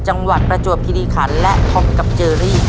จังหวัดประจวบคิดีขันและพร้อมกับเจอรี่